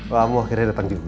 kamu akhirnya datang juga